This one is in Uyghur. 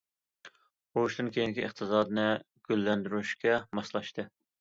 ئۇرۇشتىن كېيىنكى ئىقتىسادنى گۈللەندۈرۈشكە ماسلاشتى.